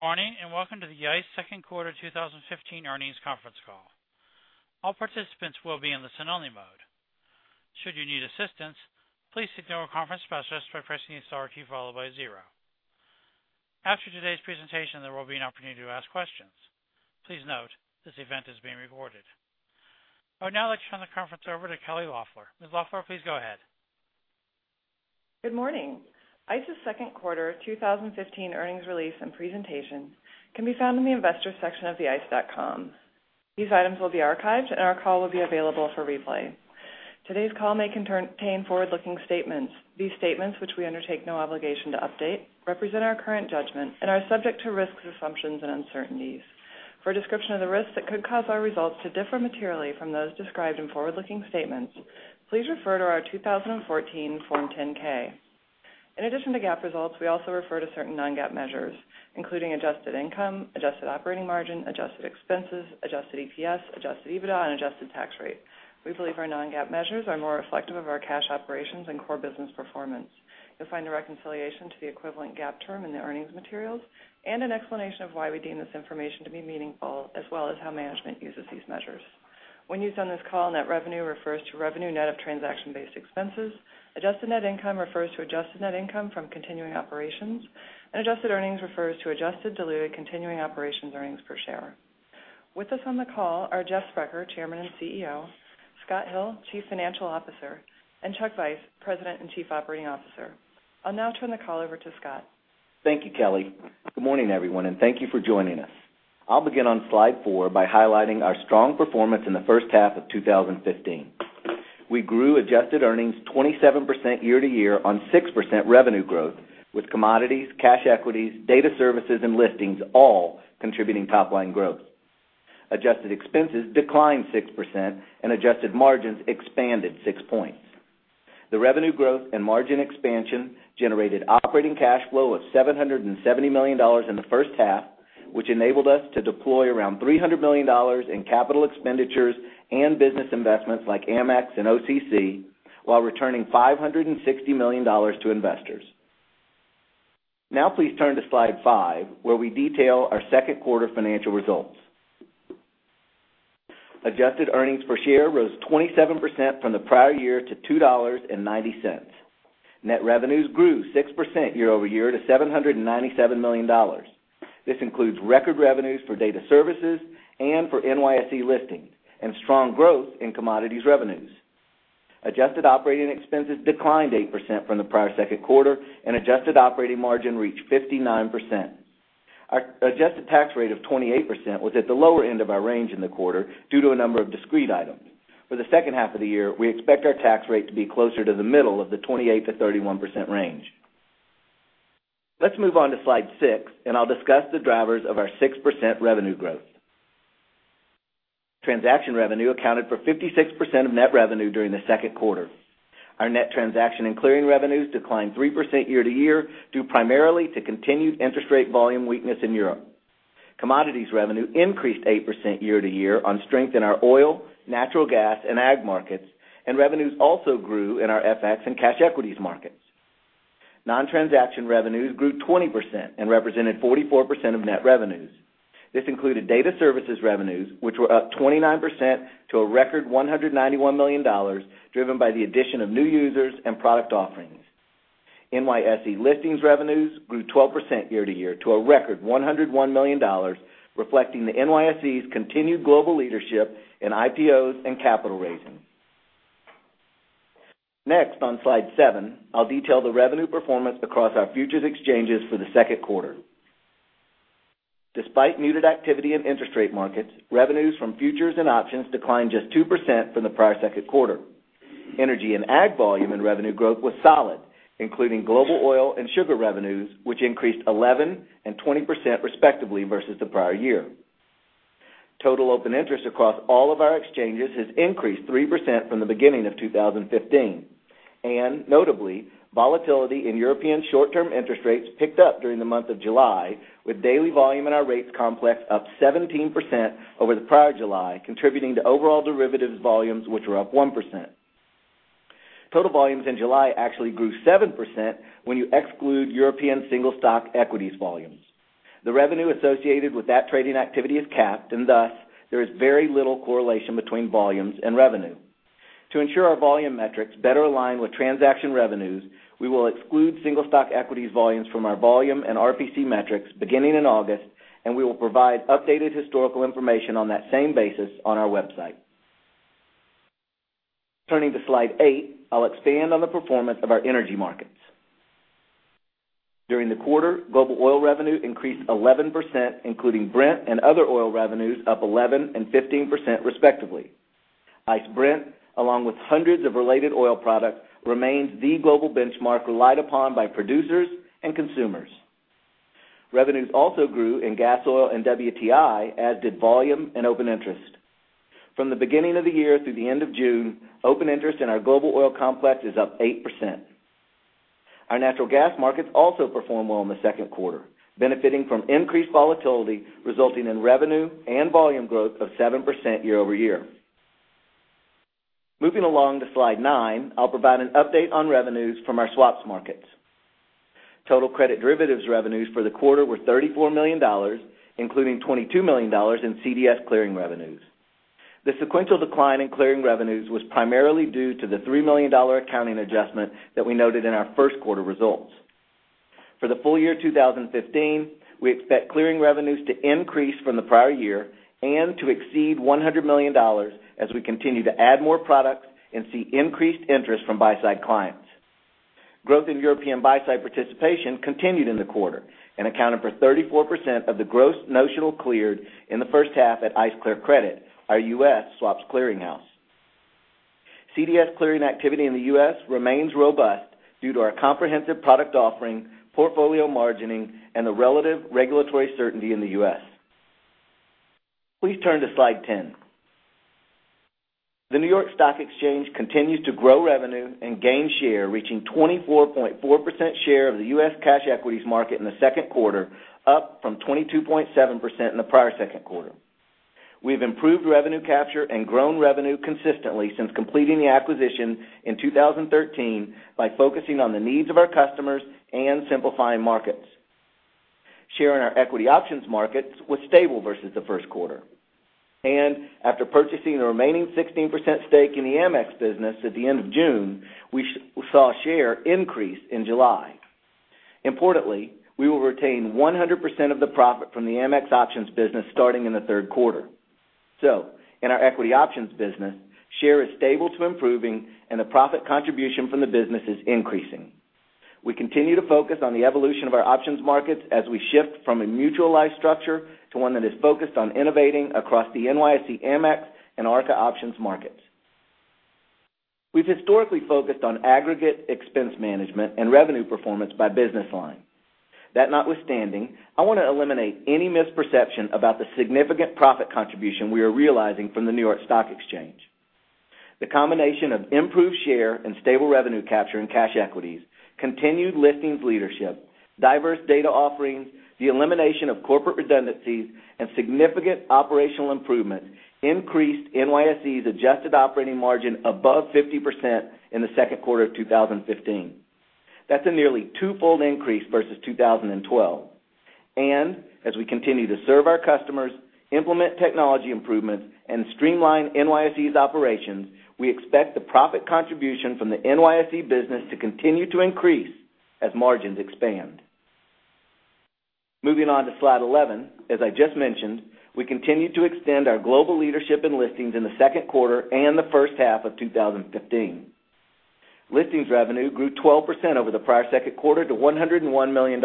Good morning, welcome to the ICE Second Quarter 2015 Earnings Conference Call. All participants will be in listen-only mode. Should you need assistance, please signal a conference specialist by pressing the star key followed by zero. After today's presentation, there will be an opportunity to ask questions. Please note this event is being recorded. I would now like to turn the conference over to Kelly Loeffler. Ms. Loeffler, please go ahead. Good morning. ICE's Second Quarter 2015 earnings release and presentation can be found in the Investors section of ice.com. These items will be archived, and our call will be available for replay. Today's call may contain forward-looking statements. These statements, which we undertake no obligation to update, represent our current judgment and are subject to risks, assumptions, and uncertainties. For a description of the risks that could cause our results to differ materially from those described in forward-looking statements, please refer to our 2014 Form 10-K. In addition to GAAP results, we also refer to certain non-GAAP measures, including adjusted income, adjusted operating margin, adjusted expenses, adjusted EPS, adjusted EBITDA, and adjusted tax rate. We believe our non-GAAP measures are more reflective of our cash operations and core business performance. You'll find a reconciliation to the equivalent GAAP term in the earnings materials and an explanation of why we deem this information to be meaningful as well as how management uses these measures. When used on this call, net revenue refers to revenue net of transaction-based expenses. Adjusted net income refers to adjusted net income from continuing operations, and adjusted earnings refers to adjusted diluted continuing operations earnings per share. With us on the call are Jeff Sprecher, Chairman and CEO; Scott Hill, Chief Financial Officer; and Chuck Vice, President and Chief Operating Officer. I'll now turn the call over to Scott. Thank you, Kelly. Good morning, everyone, and thank you for joining us. I'll begin on slide four by highlighting our strong performance in the first half of 2015. We grew adjusted earnings 27% year-to-year on 6% revenue growth, with commodities, cash equities, data services, and listings all contributing top-line growth. Adjusted expenses declined 6%, and adjusted margins expanded six points. The revenue growth and margin expansion generated operating cash flow of $770 million in the first half, which enabled us to deploy around $300 million in capital expenditures and business investments like Amex and OCC while returning $560 million to investors. Now please turn to slide five, where we detail our second quarter financial results. Adjusted earnings per share rose 27% from the prior year to $2.90. Net revenues grew 6% year-over-year to $797 million. This includes record revenues for data services and for NYSE listings and strong growth in commodities revenues. Adjusted operating expenses declined 8% from the prior second quarter, and adjusted operating margin reached 59%. Our adjusted tax rate of 28% was at the lower end of our range in the quarter due to a number of discrete items. For the second half of the year, we expect our tax rate to be closer to the middle of the 28%-31% range. Let's move on to slide six, and I'll discuss the drivers of our 6% revenue growth. Transaction revenue accounted for 56% of net revenue during the second quarter. Our net transaction and clearing revenues declined 3% year-over-year, due primarily to continued interest rate volume weakness in Europe. Commodities revenue increased 8% year-over-year on strength in our oil, natural gas, and ag markets, and revenues also grew in our FX and cash equities markets. Non-transaction revenues grew 20% and represented 44% of net revenues. This included data services revenues, which were up 29% to a record $191 million, driven by the addition of new users and product offerings. NYSE listings revenues grew 12% year-over-year to a record $101 million, reflecting the NYSE's continued global leadership in IPOs and capital raising. Next, on slide seven, I'll detail the revenue performance across our futures exchanges for the second quarter. Despite muted activity in interest rate markets, revenues from futures and options declined just 2% from the prior second quarter. Energy and ag volume and revenue growth was solid, including global oil and sugar revenues, which increased 11% and 20% respectively versus the prior year. Total open interest across all of our exchanges has increased 3% from the beginning of 2015. Notably, volatility in European short-term interest rates picked up during the month of July, with daily volume in our rates complex up 17% over the prior July, contributing to overall derivatives volumes, which were up 1%. Total volumes in July actually grew 7% when you exclude European single stock equities volumes. The revenue associated with that trading activity is capped, and thus there is very little correlation between volumes and revenue. To ensure our volume metrics better align with transaction revenues, we will exclude single stock equities volumes from our volume and RPC metrics beginning in August, and we will provide updated historical information on that same basis on our website. Turning to slide eight, I'll expand on the performance of our energy markets. During the quarter, global oil revenue increased 11%, including Brent and other oil revenues up 11% and 15% respectively. ICE Brent, along with hundreds of related oil products, remains the global benchmark relied upon by producers and consumers. Revenues also grew in Gasoil and WTI, as did volume and open interest. From the beginning of the year through the end of June, open interest in our global oil complex is up 8%. Our natural gas markets also performed well in the second quarter, benefiting from increased volatility, resulting in revenue and volume growth of 7% year-over-year. Moving along to slide nine, I'll provide an update on revenues from our swaps markets. Total credit derivatives revenues for the quarter were $34 million, including $22 million in CDS clearing revenues. The sequential decline in clearing revenues was primarily due to the $3 million accounting adjustment that we noted in our first quarter results. For the full year 2015, we expect clearing revenues to increase from the prior year and to exceed $100 million as we continue to add more products and see increased interest from buy-side clients. Growth in European buy-side participation continued in the quarter and accounted for 34% of the gross notional cleared in the first half at ICE Clear Credit, our U.S. swaps clearing house. CDS clearing activity in the U.S. remains robust due to our comprehensive product offering, portfolio margining, and the relative regulatory certainty in the U.S. Please turn to slide 10. The New York Stock Exchange continues to grow revenue and gain share, reaching 24.4% share of the U.S. cash equities market in the second quarter, up from 22.7% in the prior second quarter. We have improved revenue capture and grown revenue consistently since completing the acquisition in 2013 by focusing on the needs of our customers and simplifying markets. Share in our equity options markets was stable versus the first quarter. After purchasing the remaining 16% stake in the Amex business at the end of June, we saw share increase in July. Importantly, we will retain 100% of the profit from the Amex options business starting in the third quarter. In our equity options business, share is stable to improving, and the profit contribution from the business is increasing. We continue to focus on the evolution of our options markets as we shift from a mutualized structure to one that is focused on innovating across the NYSE Amex and Arca options markets. We've historically focused on aggregate expense management and revenue performance by business line. That notwithstanding, I want to eliminate any misperception about the significant profit contribution we are realizing from the New York Stock Exchange. The combination of improved share and stable revenue capture in cash equities, continued listings leadership, diverse data offerings, the elimination of corporate redundancies, and significant operational improvements increased NYSE's adjusted operating margin above 50% in the second quarter of 2015. That's a nearly twofold increase versus 2012. As we continue to serve our customers, implement technology improvements, and streamline NYSE's operations, we expect the profit contribution from the NYSE business to continue to increase as margins expand. Moving on to slide 11, as I just mentioned, we continued to extend our global leadership in listings in the second quarter and the first half of 2015. Listings revenue grew 12% over the prior second quarter to $101 million.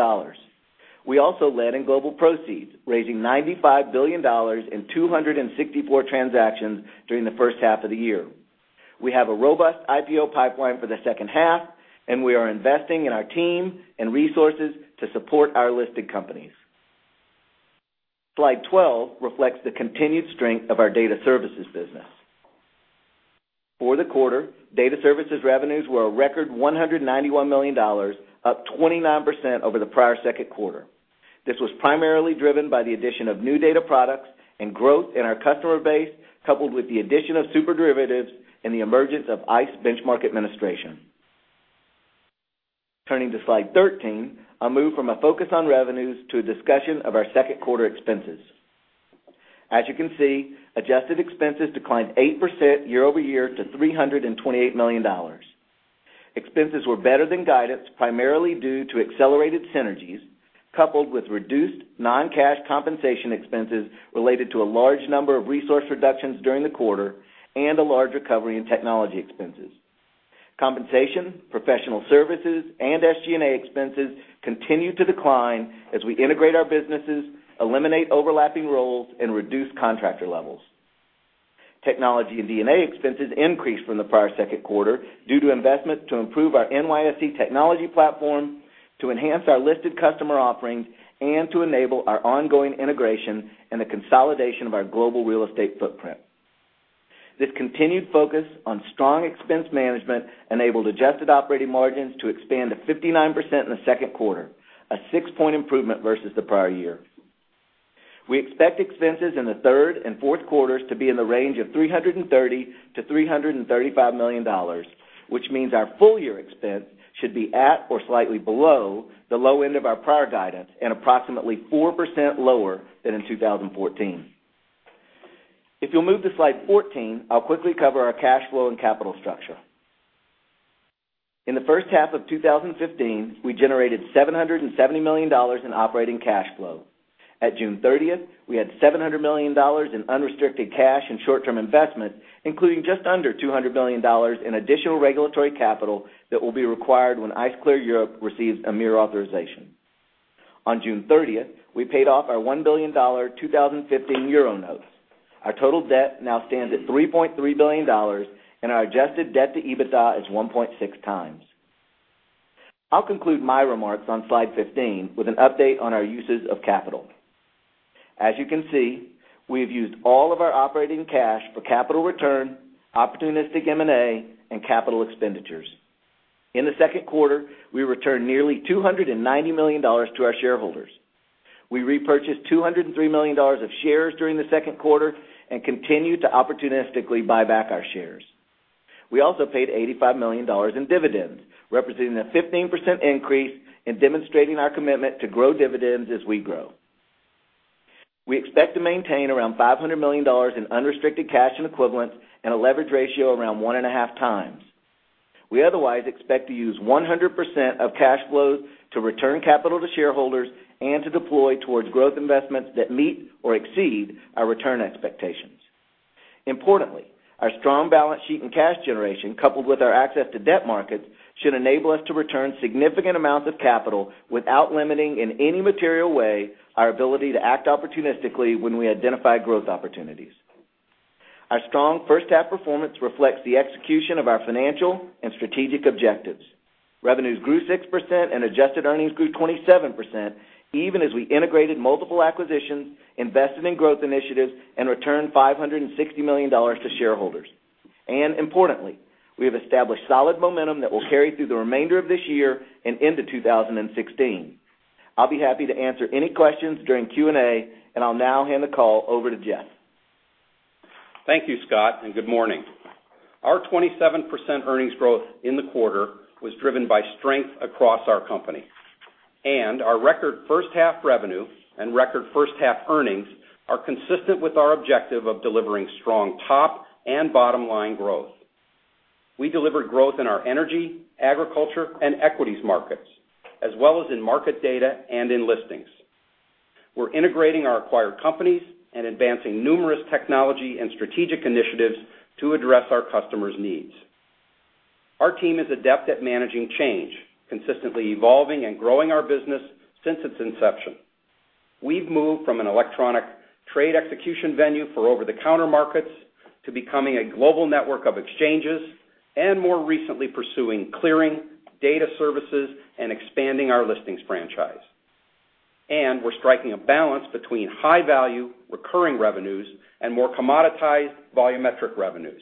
We also led in global proceeds, raising $95 billion in 264 transactions during the first half of the year. We have a robust IPO pipeline for the second half, and we are investing in our team and resources to support our listed companies. Slide 12 reflects the continued strength of our data services business. For the quarter, data services revenues were a record $191 million, up 29% over the prior second quarter. This was primarily driven by the addition of new data products and growth in our customer base, coupled with the addition of SuperDerivatives and the emergence of ICE Benchmark Administration. Turning to slide 13, I'll move from a focus on revenues to a discussion of our second quarter expenses. As you can see, adjusted expenses declined 8% year-over-year to $328 million. Expenses were better than guidance, primarily due to accelerated synergies, coupled with reduced non-cash compensation expenses related to a large number of resource reductions during the quarter and a large recovery in technology expenses. Compensation, professional services, and SG&A expenses continued to decline as we integrate our businesses, eliminate overlapping roles, and reduce contractor levels. Technology and D&A expenses increased from the prior second quarter due to investment to improve our NYSE technology platform, to enhance our listed customer offerings, and to enable our ongoing integration and the consolidation of our global real estate footprint. This continued focus on strong expense management enabled adjusted operating margins to expand to 59% in the second quarter, a six-point improvement versus the prior year. We expect expenses in the third and fourth quarters to be in the range of $330 million-$335 million, which means our full-year expense should be at or slightly below the low end of our prior guidance and approximately 4% lower than in 2014. If you'll move to slide 14, I'll quickly cover our cash flow and capital structure. In the first half of 2015, we generated $770 million in operating cash flow. At June 30th, we had $700 million in unrestricted cash and short-term investments, including just under $200 million in additional regulatory capital that will be required when ICE Clear Europe receives a mirror authorization. On June 30th, we paid off our $1 billion 2015 Euro notes. Our total debt now stands at $3.3 billion, and our adjusted debt to EBITDA is 1.6 times. I'll conclude my remarks on slide 15 with an update on our uses of capital. As you can see, we have used all of our operating cash for capital return, opportunistic M&A, and capital expenditures. In the second quarter, we returned nearly $290 million to our shareholders. We repurchased $203 million of shares during the second quarter and continue to opportunistically buy back our shares. We also paid $85 million in dividends, representing a 15% increase in demonstrating our commitment to grow dividends as we grow. We expect to maintain around $500 million in unrestricted cash and equivalents and a leverage ratio around one and a half times. We otherwise expect to use 100% of cash flows to return capital to shareholders and to deploy towards growth investments that meet or exceed our return expectations. Importantly, our strong balance sheet and cash generation, coupled with our access to debt markets, should enable us to return significant amounts of capital without limiting, in any material way, our ability to act opportunistically when we identify growth opportunities. Our strong first half performance reflects the execution of our financial and strategic objectives. Revenues grew 6% and adjusted earnings grew 27%, even as we integrated multiple acquisitions, invested in growth initiatives, and returned $560 million to shareholders. Importantly, we have established solid momentum that will carry through the remainder of this year and into 2016. I'll be happy to answer any questions during Q&A, and I'll now hand the call over to Jeff. Thank you, Scott, good morning. Our 27% earnings growth in the quarter was driven by strength across our company. Our record first half revenue and record first half earnings are consistent with our objective of delivering strong top and bottom-line growth. We delivered growth in our energy, agriculture, and equities markets, as well as in market data and in listings. We are integrating our acquired companies and advancing numerous technology and strategic initiatives to address our customers' needs. Our team is adept at managing change, consistently evolving and growing our business since its inception. We have moved from an electronic trade execution venue for over-the-counter markets to becoming a global network of exchanges, more recently pursuing clearing, data services, and expanding our listings franchise. We are striking a balance between high-value recurring revenues and more commoditized volumetric revenues.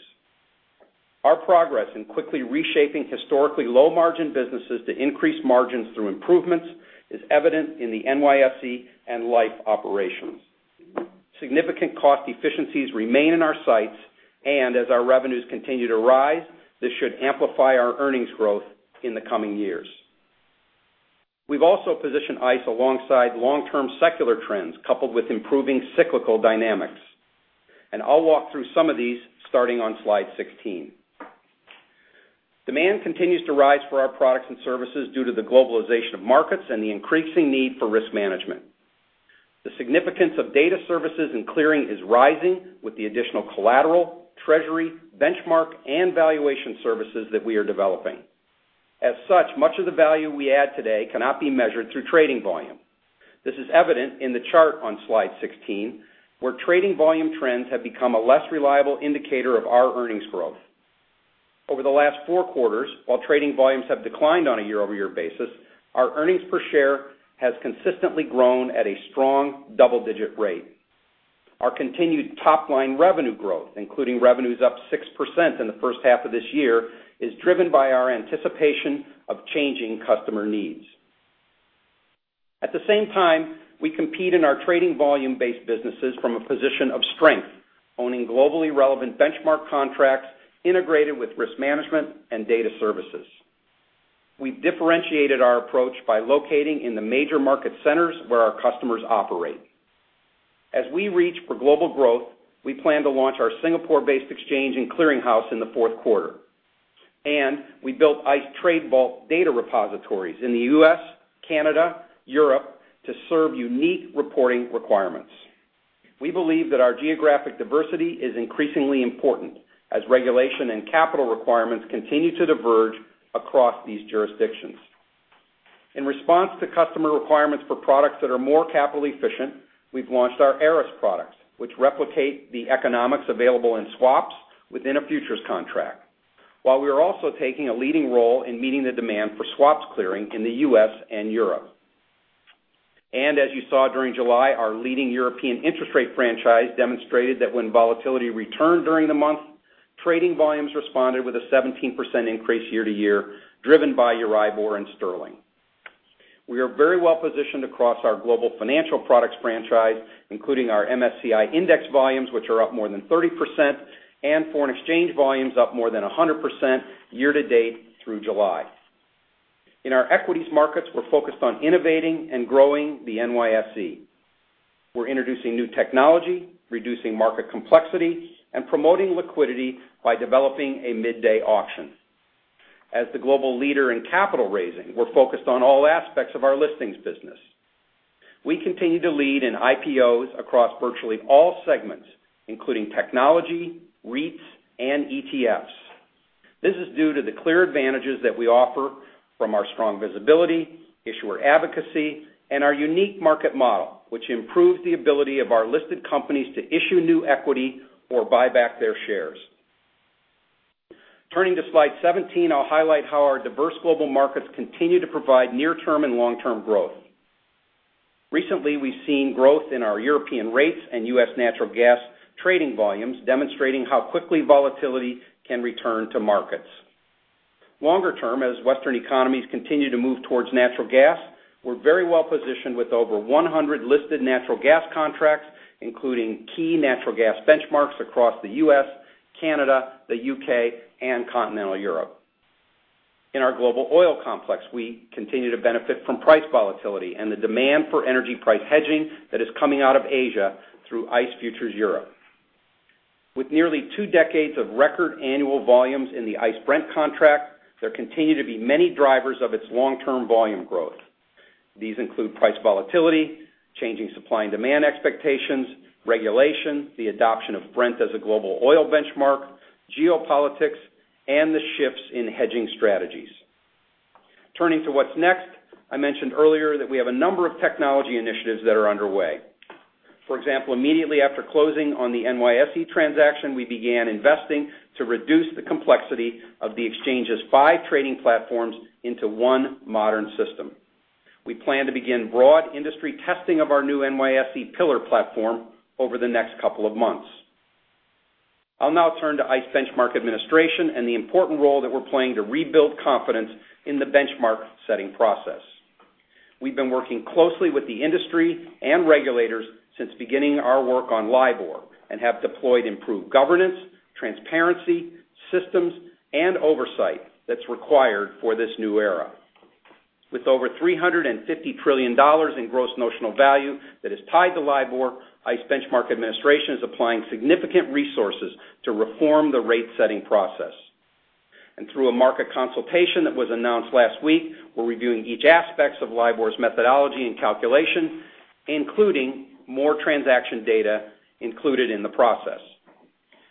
Our progress in quickly reshaping historically low-margin businesses to increase margins through improvements is evident in the NYSE and Liffe operations. Significant cost efficiencies remain in our sights, as our revenues continue to rise, this should amplify our earnings growth in the coming years. We have also positioned ICE alongside long-term secular trends, coupled with improving cyclical dynamics, I will walk through some of these starting on slide 16. Demand continues to rise for our products and services due to the globalization of markets and the increasing need for risk management. The significance of data services and clearing is rising with the additional collateral, treasury, benchmark, and valuation services that we are developing. As such, much of the value we add today cannot be measured through trading volume. This is evident in the chart on slide 16, where trading volume trends have become a less reliable indicator of our earnings growth. Over the last four quarters, while trading volumes have declined on a year-over-year basis, our earnings per share has consistently grown at a strong double-digit rate. Our continued top-line revenue growth, including revenues up 6% in the first half of this year, is driven by our anticipation of changing customer needs. At the same time, we compete in our trading volume-based businesses from a position of strength, owning globally relevant benchmark contracts integrated with risk management and data services. We have differentiated our approach by locating in the major market centers where our customers operate. As we reach for global growth, we plan to launch our Singapore-based exchange and clearinghouse in the fourth quarter. We built ICE Trade Vault data repositories in the U.S., Canada, Europe to serve unique reporting requirements. We believe that our geographic diversity is increasingly important as regulation and capital requirements continue to diverge across these jurisdictions. In response to customer requirements for products that are more capital efficient, we have launched our Eris products, which replicate the economics available in swaps within a futures contract. While we are also taking a leading role in meeting the demand for swaps clearing in the U.S. and Europe. As you saw during July, our leading European interest rate franchise demonstrated that when volatility returned during the month, trading volumes responded with a 17% increase year-to-year, driven by Euribor and sterling. We are very well-positioned across our global financial products franchise, including our MSCI index volumes, which are up more than 30%, and foreign exchange volumes up more than 100% year to date through July. In our equities markets, we're focused on innovating and growing the NYSE. We're introducing new technology, reducing market complexity, and promoting liquidity by developing a midday auction. As the global leader in capital raising, we're focused on all aspects of our listings business. We continue to lead in IPOs across virtually all segments, including technology, REITs, and ETFs. This is due to the clear advantages that we offer from our strong visibility, issuer advocacy, and our unique market model, which improves the ability of our listed companies to issue new equity or buy back their shares. Turning to slide 17, I'll highlight how our diverse global markets continue to provide near-term and long-term growth. Recently, we've seen growth in our European rates and U.S. natural gas trading volumes, demonstrating how quickly volatility can return to markets. Longer term, as Western economies continue to move towards natural gas, we're very well-positioned with over 100 listed natural gas contracts, including key natural gas benchmarks across the U.S., Canada, the U.K., and continental Europe. In our global oil complex, we continue to benefit from price volatility and the demand for energy price hedging that is coming out of Asia through ICE Futures Europe. With nearly two decades of record annual volumes in the ICE Brent contract, there continue to be many drivers of its long-term volume growth. These include price volatility, changing supply and demand expectations, regulation, the adoption of Brent as a global oil benchmark, geopolitics, and the shifts in hedging strategies. Turning to what's next, I mentioned earlier that we have a number of technology initiatives that are underway. For example, immediately after closing on the NYSE transaction, we began investing to reduce the complexity of the exchange's five trading platforms into one modern system. We plan to begin broad industry testing of our new NYSE Pillar platform over the next couple of months. I'll now turn to ICE Benchmark Administration and the important role that we're playing to rebuild confidence in the benchmark-setting process. We've been working closely with the industry and regulators since beginning our work on LIBOR and have deployed improved governance, transparency, systems, and oversight that's required for this new era. With over $350 trillion in gross notional value that is tied to LIBOR, ICE Benchmark Administration is applying significant resources to reform the rate-setting process. Through a market consultation that was announced last week, we're reviewing each aspect of LIBOR's methodology and calculation, including more transaction data included in the process.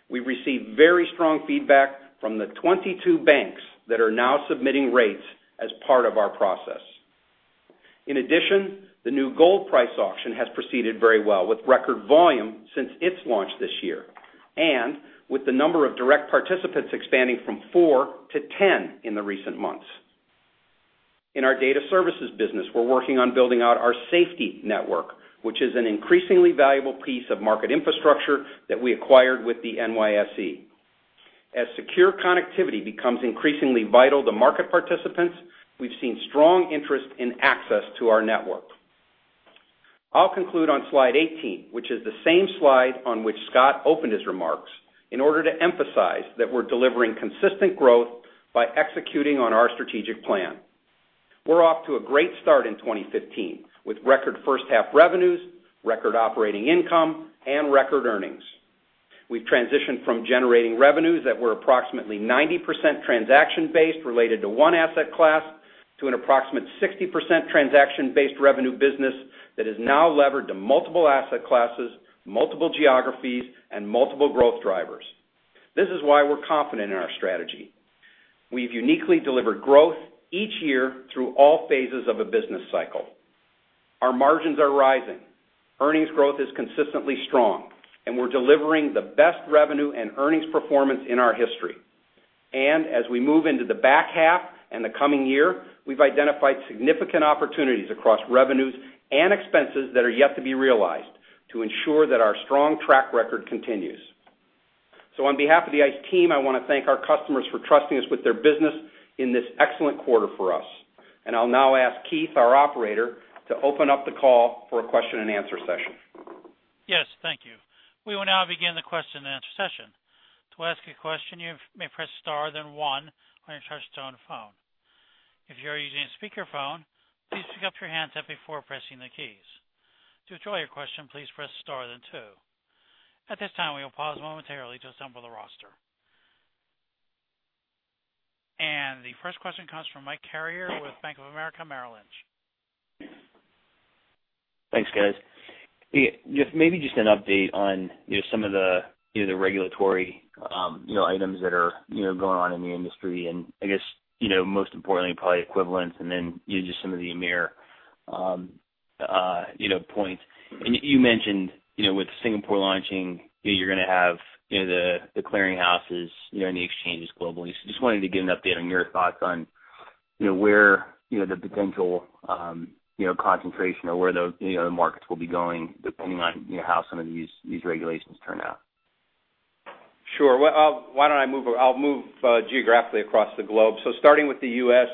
We received very strong feedback from the 22 banks that are now submitting rates as part of our process. In addition, the new gold price auction has proceeded very well, with record volume since its launch this year, and with the number of direct participants expanding from four to 10 in the recent months. In our data services business, we're working on building out our SFTI network, which is an increasingly valuable piece of market infrastructure that we acquired with the NYSE. As secure connectivity becomes increasingly vital to market participants, we've seen strong interest in access to our network. I'll conclude on slide 18, which is the same slide on which Scott opened his remarks, in order to emphasize that we're delivering consistent growth by executing on our strategic plan. We're off to a great start in 2015, with record first-half revenues, record operating income, and record earnings. We've transitioned from generating revenues that were approximately 90% transaction-based, related to one asset class, to an approximate 60% transaction-based revenue business that is now levered to multiple asset classes, multiple geographies, and multiple growth drivers. This is why we're confident in our strategy. We've uniquely delivered growth each year through all phases of a business cycle. Our margins are rising. Earnings growth is consistently strong, and we're delivering the best revenue and earnings performance in our history. As we move into the back half and the coming year, we've identified significant opportunities across revenues and expenses that are yet to be realized to ensure that our strong track record continues. On behalf of the ICE team, I want to thank our customers for trusting us with their business in this excellent quarter for us. I'll now ask Keith, our operator, to open up the call for a question and answer session. Yes. Thank you. We will now begin the question and answer session. To ask a question, you may press star then one on your touch-tone phone. If you are using a speakerphone, please pick up your handset before pressing the keys. To withdraw your question, please press star then two. At this time, we will pause momentarily to assemble the roster. The first question comes from Michael Carrier with Bank of America Merrill Lynch. Thanks, guys. Maybe just an update on some of the regulatory items that are going on in the industry, and I guess, most importantly, probably equivalence, and then just some of the EMIR points. You mentioned with Singapore launching, you're going to have the clearinghouses in the exchanges globally. Just wanted to get an update on your thoughts on where the potential concentration or where the markets will be going, depending on how some of these regulations turn out. Sure. I'll move geographically across the globe. Starting with the U.S.,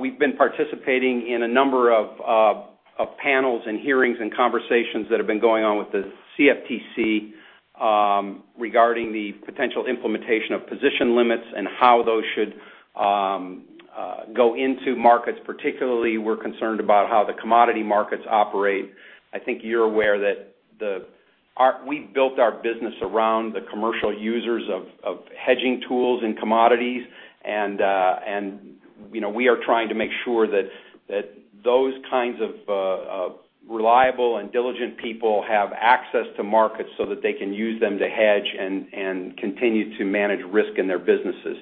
we've been participating in a number of panels and hearings and conversations that have been going on with the CFTC, regarding the potential implementation of position limits and how those should go into markets. Particularly, we're concerned about how the commodity markets operate. I think you're aware that we built our business around the commercial users of hedging tools and commodities. We are trying to make sure that those kinds of reliable and diligent people have access to markets so that they can use them to hedge and continue to manage risk in their businesses.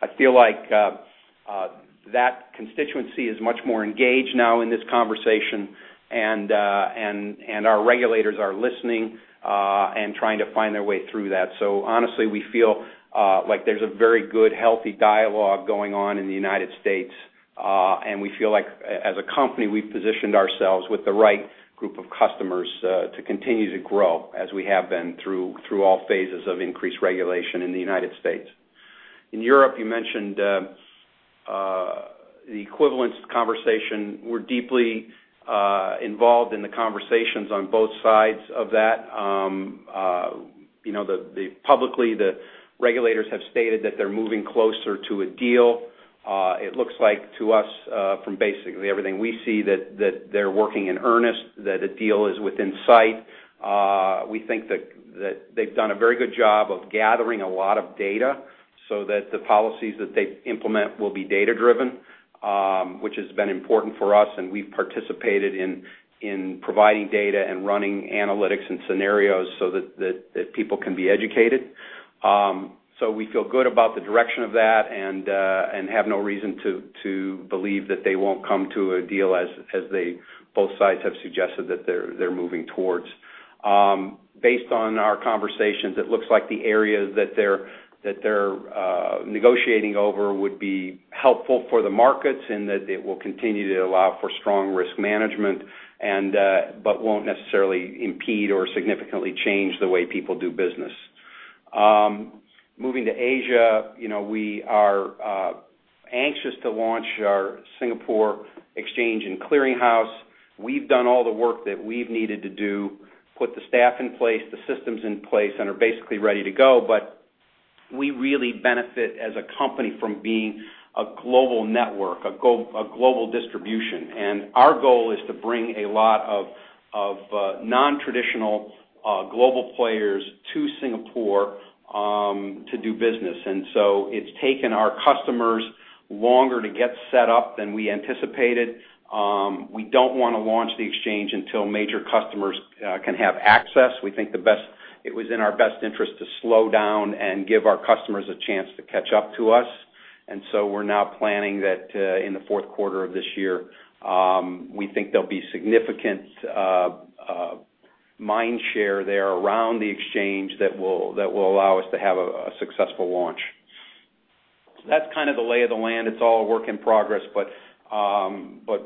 I feel like that constituency is much more engaged now in this conversation, and our regulators are listening and trying to find their way through that. Honestly, we feel like there's a very good, healthy dialogue going on in the U.S. We feel like, as a company, we've positioned ourselves with the right group of customers to continue to grow as we have been through all phases of increased regulation in the U.S. In Europe, you mentioned the equivalence conversation. We're deeply involved in the conversations on both sides of that. Publicly, the regulators have stated that they're moving closer to a deal. It looks like to us, from basically everything we see, that they're working in earnest, that a deal is within sight. We think that they've done a very good job of gathering a lot of data so that the policies that they implement will be data-driven, which has been important for us, and we've participated in providing data and running analytics and scenarios so that people can be educated. We feel good about the direction of that and have no reason to believe that they won't come to a deal as both sides have suggested that they're moving towards. Based on our conversations, it looks like the areas that they're negotiating over would be helpful for the markets and that it will continue to allow for strong risk management, but won't necessarily impede or significantly change the way people do business. Moving to Asia, we are anxious to launch our Singapore Exchange and Clearing House. We've done all the work that we've needed to do, put the staff in place, the systems in place, and are basically ready to go. We really benefit as a company from being a global network, a global distribution, and our goal is to bring a lot of non-traditional global players to Singapore to do business. It's taken our customers longer to get set up than we anticipated. We don't want to launch the exchange until major customers can have access. We think it was in our best interest to slow down and give our customers a chance to catch up to us. We're now planning that in the fourth quarter of this year, we think there'll be significant mind share there around the exchange that will allow us to have a successful launch. That's kind of the lay of the land. It's all a work in progress, but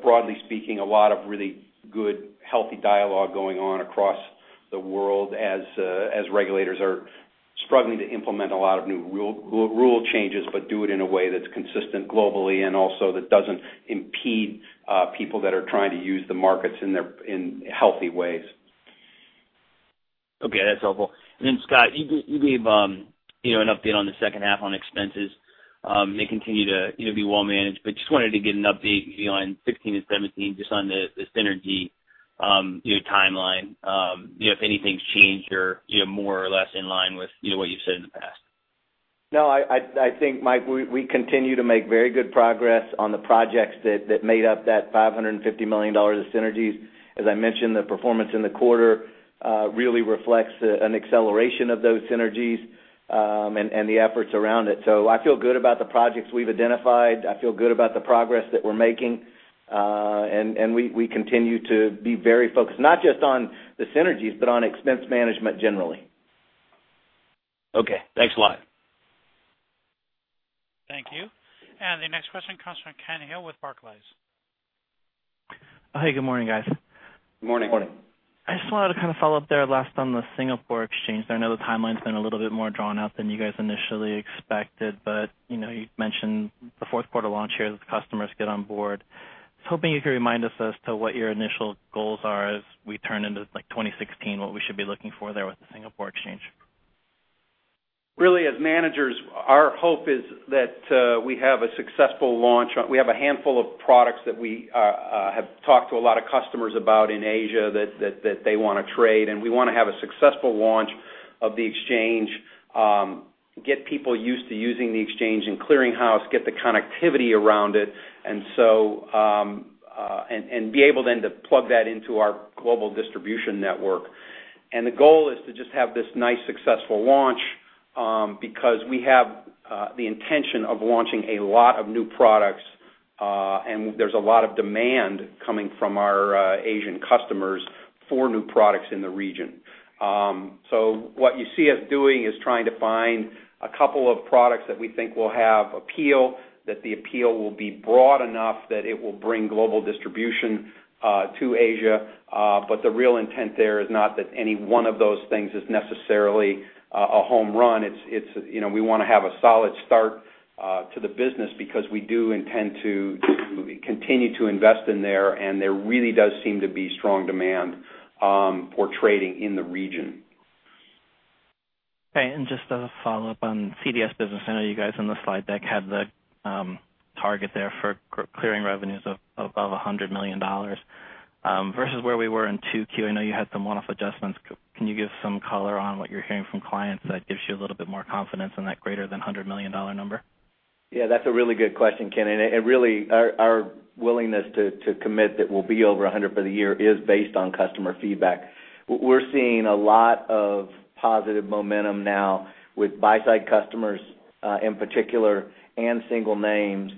broadly speaking, a lot of really good, healthy dialogue going on across the world as regulators are struggling to implement a lot of new rule changes, but do it in a way that's consistent globally and also that doesn't impede people that are trying to use the markets in healthy ways. Okay, that's helpful. Scott, you gave an update on the second half on expenses. They continue to be well managed, but just wanted to get an update on 2016 and 2017, just on the synergy timeline, if anything's changed or more or less in line with what you've said in the past? No, I think, Mike, we continue to make very good progress on the projects that made up that $550 million of synergies. As I mentioned, the performance in the quarter really reflects an acceleration of those synergies, and the efforts around it. I feel good about the projects we've identified. I feel good about the progress that we're making. We continue to be very focused, not just on the synergies, but on expense management generally. Okay, thanks a lot. Thank you. The next question comes from Kenneth Hill with Barclays. Hey, good morning, guys. Good morning. Good morning. I just wanted to kind of follow up there last on the Singapore Exchange. I know the timeline's been a little bit more drawn out than you guys initially expected. You mentioned the fourth quarter launch here as customers get on board. I was hoping you could remind us as to what your initial goals are as we turn into 2016, what we should be looking for there with the Singapore Exchange. Really, as managers, our hope is that we have a successful launch. We have a handful of products that we have talked to a lot of customers about in Asia that they want to trade. We want to have a successful launch of the exchange, get people used to using the exchange and clearing house, get the connectivity around it, and be able then to plug that into our global distribution network. The goal is to just have this nice, successful launch, because we have the intention of launching a lot of new products. There's a lot of demand coming from our Asian customers for new products in the region. What you see us doing is trying to find a couple of products that we think will have appeal, that the appeal will be broad enough that it will bring global distribution to Asia. The real intent there is not that any one of those things is necessarily a home run. We want to have a solid start to the business because we do intend to continue to invest in there. There really does seem to be strong demand for trading in the region. Okay, just as a follow-up on CDS business, I know you guys on the slide deck had the target there for clearing revenues of above $100 million. Versus where we were in 2Q, I know you had some one-off adjustments. Can you give some color on what you're hearing from clients that gives you a little bit more confidence in that greater than $100 million number? Yeah, that's a really good question, Ken. Really, our willingness to commit that we'll be over $100 for the year is based on customer feedback. We're seeing a lot of positive momentum now with buy-side customers, in particular, and single names.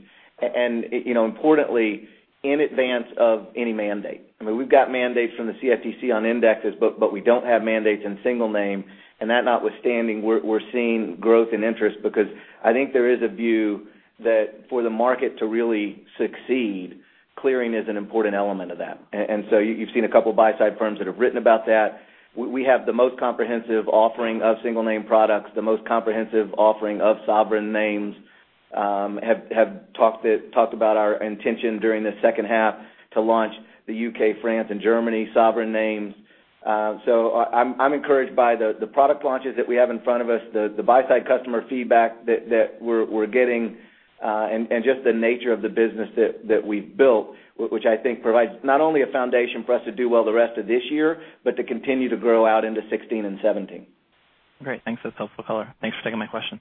Importantly, in advance of any mandate. I mean, we've got mandates from the CFTC on indexes, but we don't have mandates in single name. That notwithstanding, we're seeing growth and interest because I think there is a view that for the market to really succeed, clearing is an important element of that. You've seen a couple buy-side firms that have written about that. We have the most comprehensive offering of single name products, the most comprehensive offering of sovereign names, have talked about our intention during the second half to launch the U.K., France, and Germany sovereign names. I'm encouraged by the product launches that we have in front of us, the buy-side customer feedback that we're getting, and just the nature of the business that we've built, which I think provides not only a foundation for us to do well the rest of this year, but to continue to grow out into 2016 and 2017. Great. Thanks. That's helpful color. Thanks for taking my question.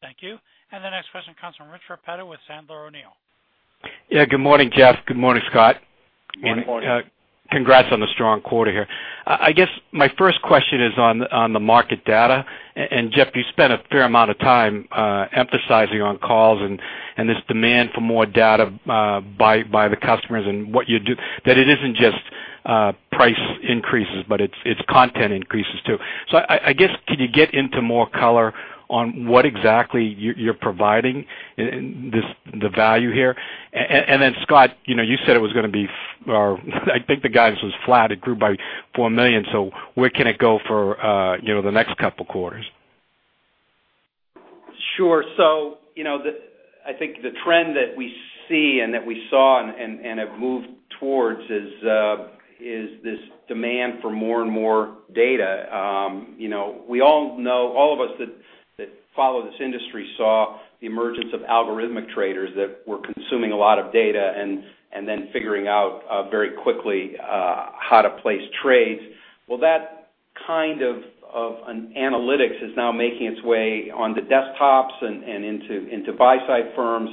Thank you. The next question comes from Rich Repetto with Sandler O'Neill. Good morning, Jeff. Good morning, Scott. Good morning. Congrats on the strong quarter here. I guess my first question is on the market data. Jeff, you spent a fair amount of time emphasizing on calls and this demand for more data by the customers and what you do, that it isn't just price increases, but it's content increases, too. I guess, could you get into more color on what exactly you're providing, the value here? Then, Scott, you said it was going to be, or I think the guidance was flat, it grew by $4 million. Where can it go for the next couple quarters? Sure. I think the trend that we see and that we saw and have moved towards is this demand for more and more data. We all know, all of us that follow this industry saw the emergence of algorithmic traders that were consuming a lot of data and then figuring out very quickly how to place trades. That kind of analytics is now making its way onto desktops and into buy-side firms,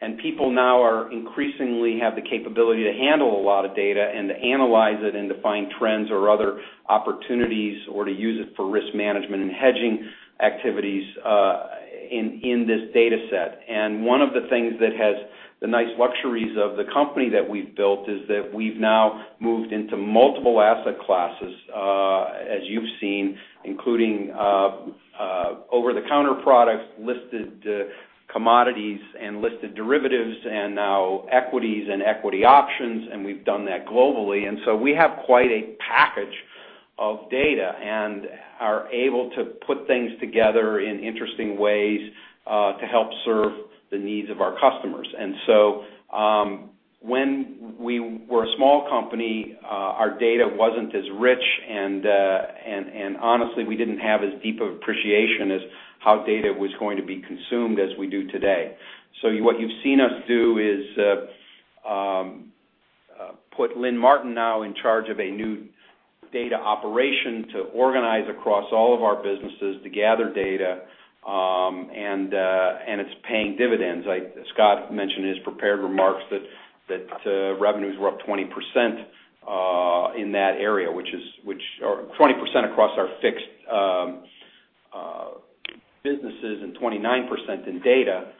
and people now increasingly have the capability to handle a lot of data and to analyze it and to find trends or other opportunities or to use it for risk management and hedging activities in this data set. One of the things that has the nice luxuries of the company that we've built is that we've now moved into multiple asset classes, as you've seen, including over-the-counter products, listed commodities, and listed derivatives, and now equities and equity options, and we've done that globally. We have quite a package of data and are able to put things together in interesting ways, to help serve the needs of our customers. When we were a small company, our data wasn't as rich, and honestly, we didn't have as deep of appreciation as how data was going to be consumed as we do today. What you've seen us do is, put Lynn Martin now in charge of a new data operation to organize across all of our businesses to gather data, and it's paying dividends. Scott mentioned in his prepared remarks that revenues were up 20% in that area, or 20% across our fixed businesses and 29% in data,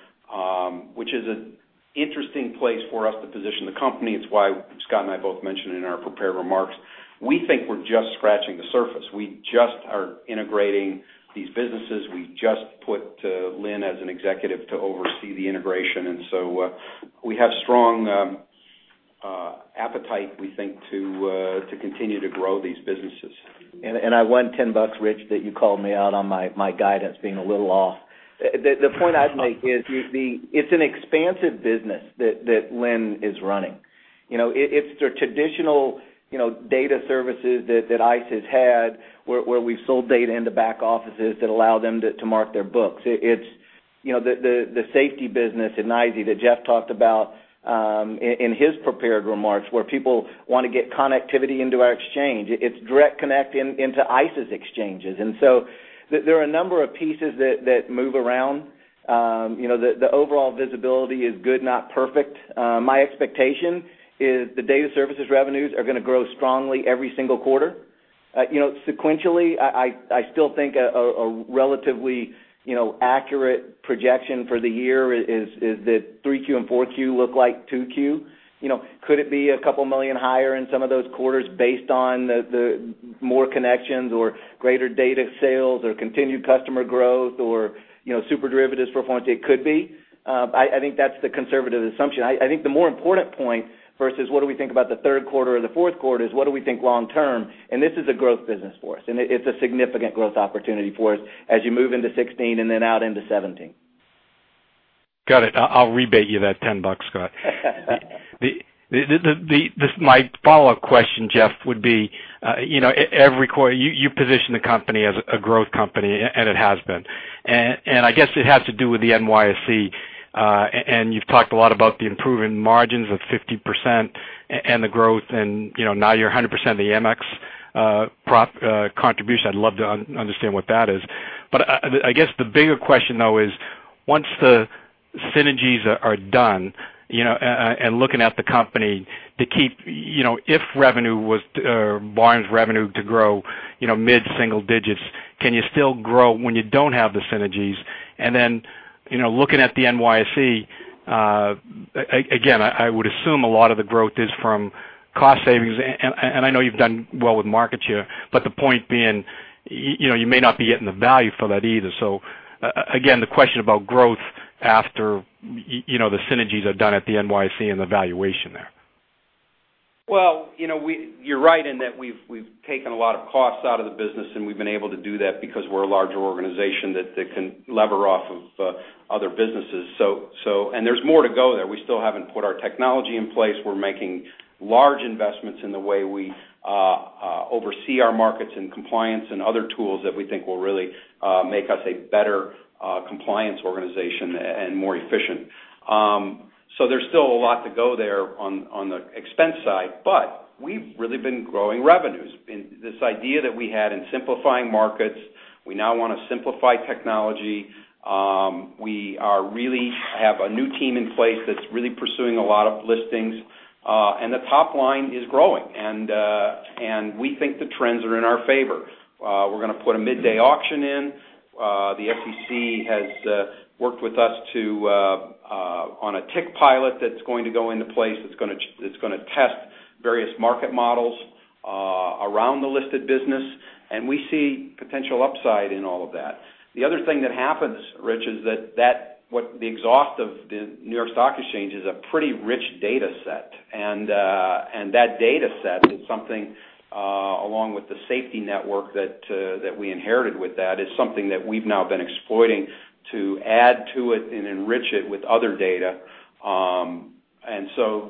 which is an interesting place for us to position the company. It's why Scott and I both mentioned in our prepared remarks, we think we're just scratching the surface. We just are integrating these businesses. We just put Lynn as an executive to oversee the integration. We have strong appetite, we think, to continue to grow these businesses. I won $10, Rich, that you called me out on my guidance being a little off. The point I'd make is, it's an expansive business that Lynn is running. It's the traditional data services that ICE has had, where we've sold data into back offices that allow them to mark their books. It's the safety business in ICE that Jeff talked about, in his prepared remarks, where people want to get connectivity into our exchange. It's direct connect into ICE's exchanges. There are a number of pieces that move around. The overall visibility is good, not perfect. My expectation is the data services revenues are going to grow strongly every single quarter. Sequentially, I still think a relatively accurate projection for the year is that 3Q and 4Q look like 2Q. Could it be a couple million higher in some of those quarters based on the more connections or greater data sales or continued customer growth or SuperDerivatives performance? It could be. I think that's the conservative assumption. Got it. I think the more important point versus what do we think about the 3Q or the 4Q is what do we think long term. This is a growth business for us, and it's a significant growth opportunity for us as you move into 2016 and then out into 2017. Got it. I'll rebate you that $10, Scott. My follow-up question, Jeff, would be, every quarter you position the company as a growth company, and it has been. I guess it has to do with the NYSE. You've talked a lot about the improving margins of 50% and the growth. Now you're 100% of the Amex contribution. I'd love to understand what that is. I guess the bigger question though is once the synergies are done, and looking at the company, if Barnes revenue was to grow mid-single digits, can you still grow when you don't have the synergies? Then, looking at the NYSE, again, I would assume a lot of the growth is from cost savings, and I know you've done well with MarketShare, but the point being, you may not be getting the value for that either. Again, the question about growth after the synergies are done at the NYSE and the valuation there. You're right in that we've taken a lot of costs out of the business. We've been able to do that because we're a larger organization that can lever off of other businesses. There's more to go there. We still haven't put our technology in place. We're making large investments in the way we oversee our markets and compliance and other tools that we think will really make us a better compliance organization and more efficient. There's still a lot to go there on the expense side. We've really been growing revenues. This idea that we had in simplifying markets, we now want to simplify technology. We really have a new team in place that's really pursuing a lot of listings. The top line is growing. We think the trends are in our favor. We're going to put a midday auction in. The SEC has worked with us on a Tick Pilot that's going to go into place that's going to test various market models around the listed business. We see potential upside in all of that. The other thing that happens, Rich, is that what the exhaust of the New York Stock Exchange is a pretty rich data set. That data set is something, along with the SFTI network that we inherited with that, is something that we've now been exploiting to add to it and enrich it with other data.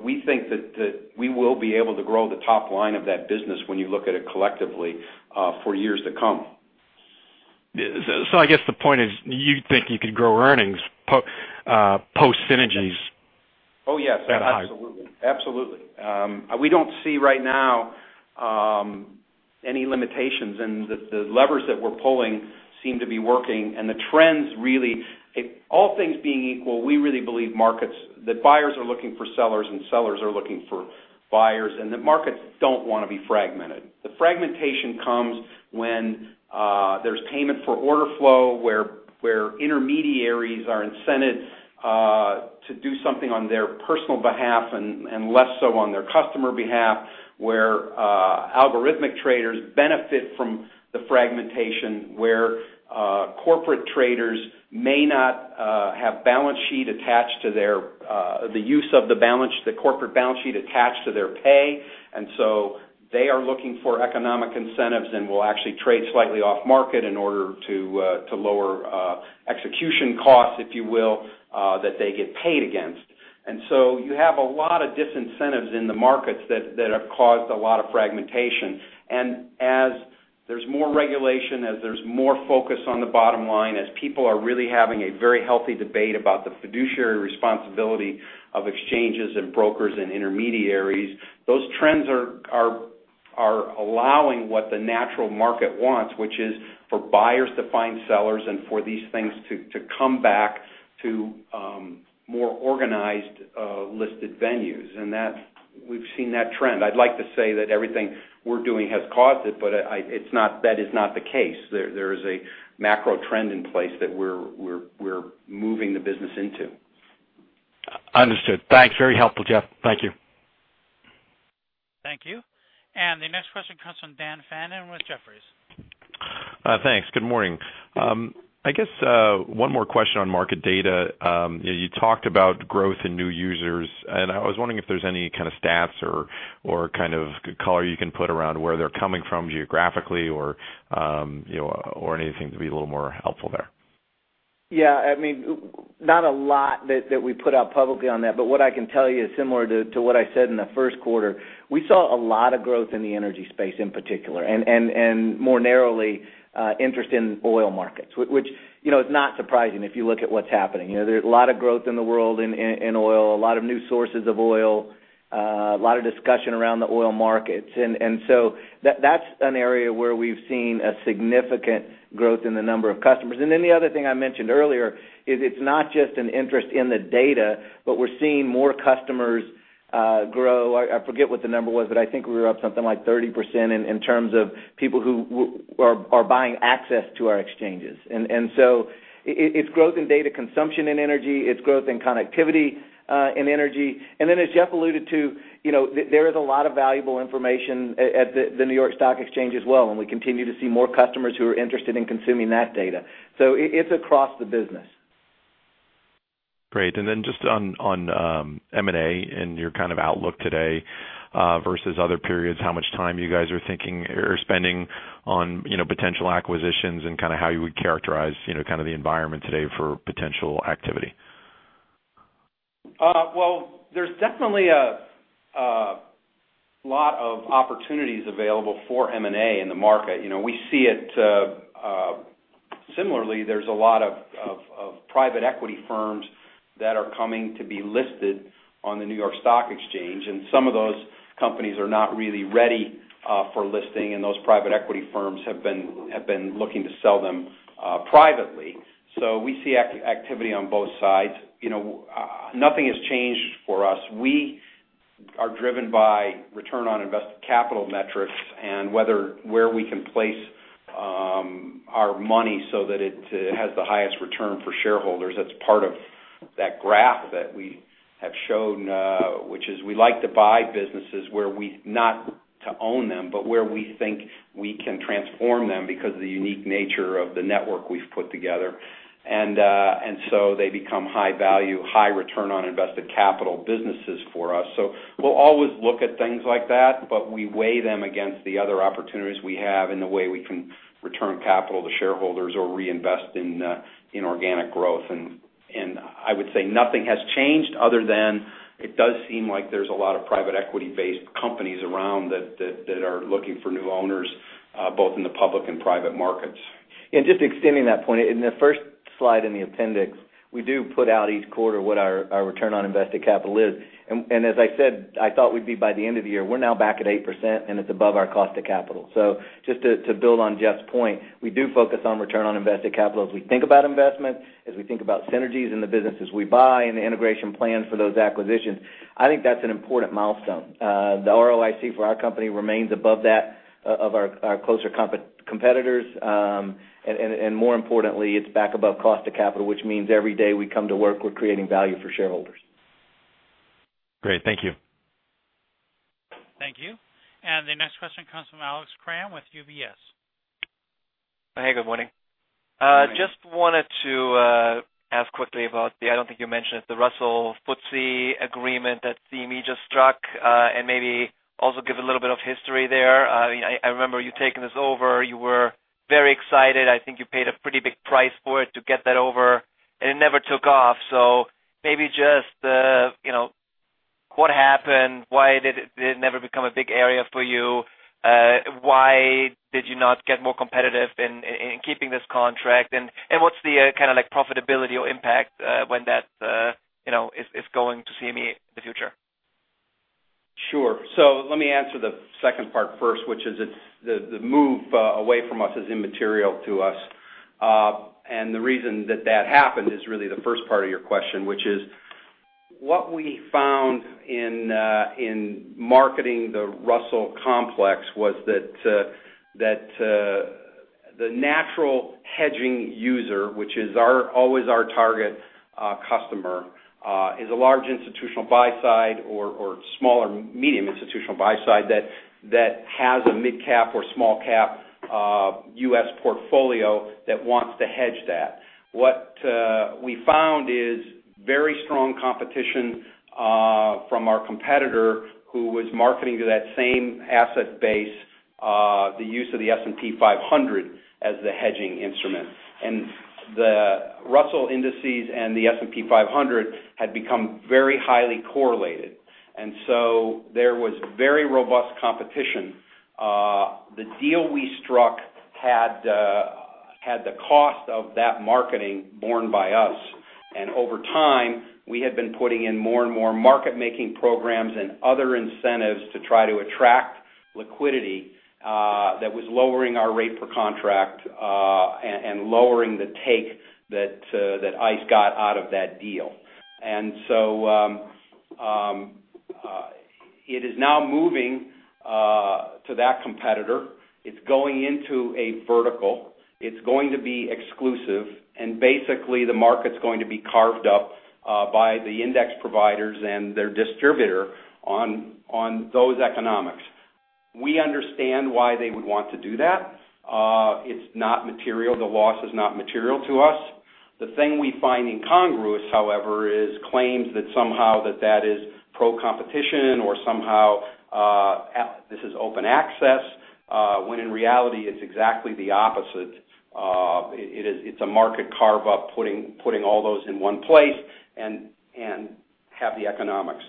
We think that we will be able to grow the top line of that business when you look at it collectively for years to come. I guess the point is, you think you could grow earnings post synergies? Oh, yes. Absolutely. We don't see right now any limitations. The levers that we're pulling seem to be working. The trends really all things being equal, we really believe markets, that buyers are looking for sellers and sellers are looking for buyers. Markets don't want to be fragmented. The fragmentation comes when there's payment for order flow, where intermediaries are incented to do something on their personal behalf and less so on their customer behalf, where algorithmic traders benefit from the fragmentation, where corporate traders may not have the use of the corporate balance sheet attached to their pay. They are looking for economic incentives and will actually trade slightly off market in order to lower execution costs, if you will, that they get paid against. You have a lot of disincentives in the markets that have caused a lot of fragmentation. As there's more regulation, as there's more focus on the bottom line, as people are really having a very healthy debate about the fiduciary responsibility of exchanges and brokers and intermediaries, those trends are allowing what the natural market wants, which is for buyers to find sellers and for these things to come back to more organized listed venues. We've seen that trend. I'd like to say that everything we're doing has caused it, but that is not the case. There is a macro trend in place that we're moving the business into. Understood. Thanks. Very helpful, Jeff. Thank you. Thank you. The next question comes from Daniel Fannon with Jefferies. Thanks. Good morning. I guess one more question on market data. You talked about growth in new users. I was wondering if there's any kind of stats or kind of color you can put around where they're coming from geographically or anything to be a little more helpful there. Yeah. Not a lot that we put out publicly on that, but what I can tell you is similar to what I said in the first quarter, we saw a lot of growth in the energy space in particular, and more narrowly, interest in oil markets, which is not surprising if you look at what's happening. There's a lot of growth in the world in oil, a lot of new sources of oil, a lot of discussion around the oil markets. That's an area where we've seen a significant growth in the number of customers. The other thing I mentioned earlier is it's not just an interest in the data, but we're seeing more customers grow. I forget what the number was, but I think we were up something like 30% in terms of people who are buying access to our exchanges. It's growth in data consumption in energy, it's growth in connectivity in energy. As Jeff alluded to, there is a lot of valuable information at the New York Stock Exchange as well, and we continue to see more customers who are interested in consuming that data. It's across the business. Great. Just on M&A and your kind of outlook today versus other periods, how much time you guys are thinking or spending on potential acquisitions and kind of how you would characterize kind of the environment today for potential activity? Well, there's definitely a lot of opportunities available for M&A in the market. We see it Similarly, there's a lot of private equity firms that are coming to be listed on the New York Stock Exchange, and some of those companies are not really ready for listing, and those private equity firms have been looking to sell them privately. We see activity on both sides. Nothing has changed for us. We are driven by return on invested capital metrics and where we can place our money so that it has the highest return for shareholders. That's part of that graph that we have shown, which is we like to buy businesses not to own them, but where we think we can transform them because of the unique nature of the network we've put together. They become high value, high return on invested capital businesses for us. We'll always look at things like that, but we weigh them against the other opportunities we have and the way we can return capital to shareholders or reinvest in organic growth. I would say nothing has changed other than it does seem like there's a lot of private equity-based companies around that are looking for new owners, both in the public and private markets. Just extending that point. In the first slide in the appendix, we do put out each quarter what our return on invested capital is. As I said, I thought we'd be by the end of the year. We're now back at 8%, and it's above our cost of capital. Just to build on Jeff's point, we do focus on return on invested capital as we think about investments, as we think about synergies in the businesses we buy, and the integration plan for those acquisitions. I think that's an important milestone. The ROIC for our company remains above that of our closer competitors. More importantly, it's back above cost of capital, which means every day we come to work, we're creating value for shareholders. Great. Thank you. Thank you. The next question comes from Alex Kramm with UBS. Good morning. Just wanted to ask quickly about the, I don't think you mentioned it, the Russell FTSE agreement that CME just struck, and maybe also give a little bit of history there. I remember you taking this over. You were very excited. I think you paid a pretty big price for it to get that over, and it never took off. Maybe just what happened, why did it never become a big area for you? Why did you not get more competitive in keeping this contract? What's the profitability or impact when that is going to CME in the future? Sure. Let me answer the second part first, which is the move away from us is immaterial to us. The reason that that happened is really the first part of your question, which is what we found in marketing the Russell complex was that the natural hedging user, which is always our target customer, is a large institutional buy side or smaller medium institutional buy side that has a mid-cap or small-cap U.S. portfolio that wants to hedge that. What we found is very strong competition from our competitor who was marketing to that same asset base, the use of the S&P 500 as the hedging instrument. The Russell Indices and the S&P 500 had become very highly correlated, there was very robust competition. The deal we struck had the cost of that marketing borne by us, over time, we had been putting in more and more market-making programs and other incentives to try to attract liquidity that was lowering our rate per contract, lowering the take that ICE got out of that deal. It is now moving to that competitor. It's going into a vertical. It's going to be exclusive, basically, the market's going to be carved up by the index providers and their distributor on those economics. We understand why they would want to do that. It's not material. The loss is not material to us. The thing we find incongruous, however, is claims that somehow that that is pro-competition or somehow this is open access, when in reality, it's exactly the opposite. It's a market carve-up, putting all those in one place and have the economics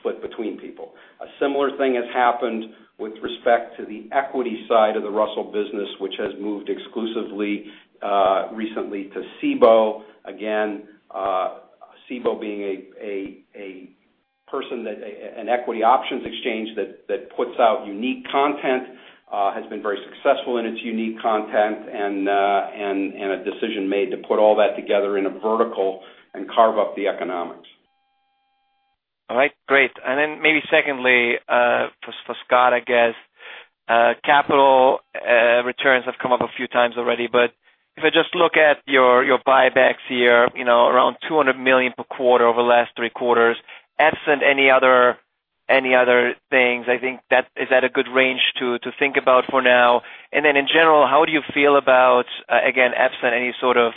split between people. A similar thing has happened with respect to the equity side of the Russell business, which has moved exclusively recently to Cboe. Again, Cboe being an equity options exchange that puts out unique content, has been very successful in its unique content, a decision made to put all that together in a vertical and carve up the economics. All right, great. Maybe secondly, for Scott, I guess. Capital returns have come up a few times already, but if I just look at your buybacks here, around $200 million per quarter over the last three quarters. Absent any other things, I think that is at a good range to think about for now. In general, how do you feel about, again, absent any sort of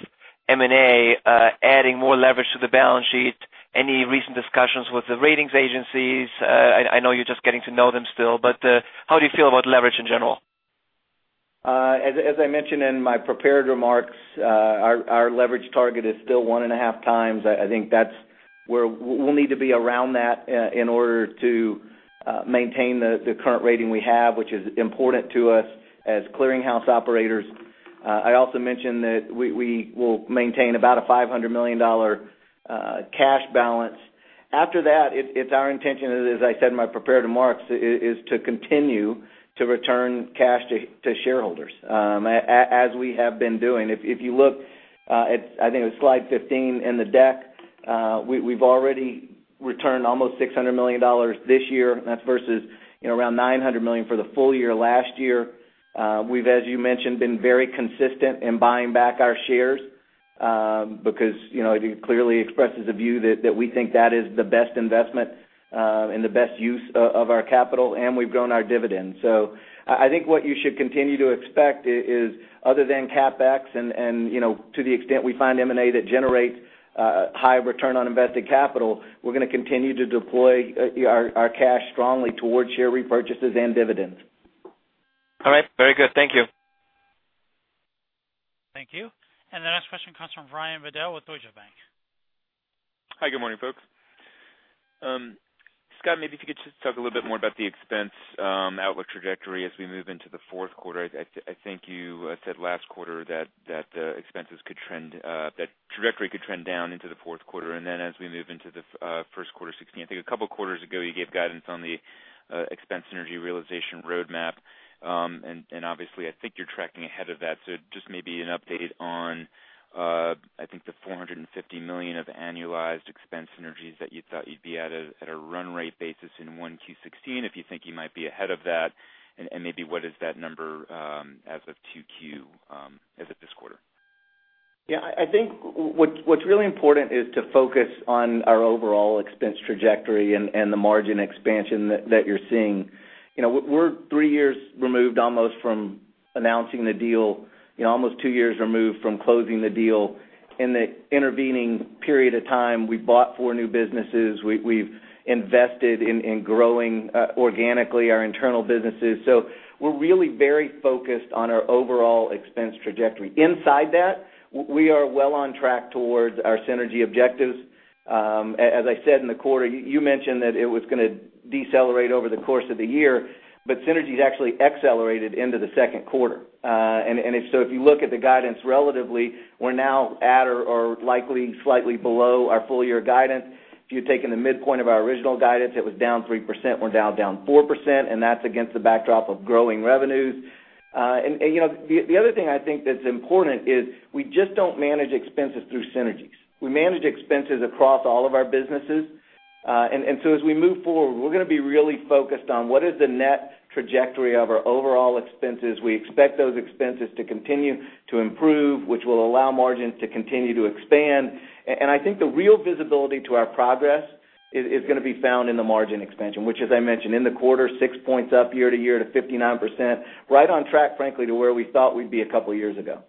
M&A, adding more leverage to the balance sheet? Any recent discussions with the ratings agencies? I know you're just getting to know them still, but how do you feel about leverage in general? As I mentioned in my prepared remarks, our leverage target is still one and a half times. I think that's where we'll need to be around that in order to maintain the current rating we have, which is important to us as clearinghouse operators. I also mentioned that we will maintain about a $500 million cash balance. After that, it's our intention, as I said in my prepared remarks, is to continue to return cash to shareholders, as we have been doing. If you look at, I think it was slide 15 in the deck, we've already returned almost $600 million this year. That's versus around $900 million for the full year last year. We've, as you mentioned, been very consistent in buying back our shares, because it clearly expresses a view that we think that is the best investment, and the best use of our capital, and we've grown our dividends. I think what you should continue to expect is other than CapEx and to the extent we find M&A that generates a high return on invested capital, we're going to continue to deploy our cash strongly towards share repurchases and dividends. All right. Very good. Thank you. Thank you. The next question comes from Brian Bedell with Deutsche Bank. Hi, good morning, folks. Scott, maybe if you could just talk a little bit more about the expense outlook trajectory as we move into the fourth quarter. I think you said last quarter that trajectory could trend down into the fourth quarter, and then as we move into the first quarter 2016. I think a couple of quarters ago, you gave guidance on the expense synergy realization roadmap. Obviously, I think you're tracking ahead of that. Just maybe an update on, I think the $450 million of annualized expense synergies that you thought you'd be at a run rate basis in Q1 2016, if you think you might be ahead of that, and maybe what is that number as of Q2, as of this quarter? Yeah, I think what's really important is to focus on our overall expense trajectory and the margin expansion that you're seeing. We're three years removed almost from announcing the deal, almost two years removed from closing the deal. In the intervening period of time, we bought four new businesses. We've invested in growing organically our internal businesses. We're really very focused on our overall expense trajectory. Inside that, we are well on track towards our synergy objectives. As I said in the quarter, you mentioned that it was going to decelerate over the course of the year, but synergies actually accelerated into the second quarter. If you look at the guidance relatively, we're now at or likely slightly below our full-year guidance. If you're taking the midpoint of our original guidance, it was down 3%, we're now down 4%, and that's against the backdrop of growing revenues. The other thing I think that's important is we just don't manage expenses through synergies. We manage expenses across all of our businesses. As we move forward, we're going to be really focused on what is the net trajectory of our overall expenses. We expect those expenses to continue to improve, which will allow margins to continue to expand. I think the real visibility to our progress is going to be found in the margin expansion, which as I mentioned in the quarter, six points up year-over-year to 59%, right on track, frankly, to where we thought we'd be a couple of years ago.